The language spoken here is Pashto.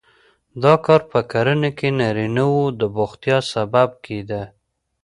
دا کار په کرنه کې نارینه وو د بوختیا سبب کېده.